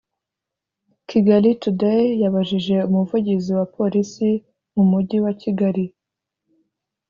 Kigali today yabajije Umuvugizi wa Polisi mu mujyi wa Kigali